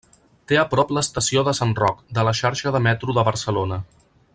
Té a prop l'estació de Sant Roc, de la xarxa de metro de Barcelona.